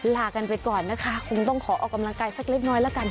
ลากันไปก่อนนะคะคงต้องขอออกกำลังกายสักเล็กน้อยแล้วกัน